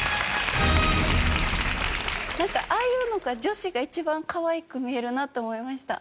なんかああいうのが女子が一番かわいく見えるなって思いました。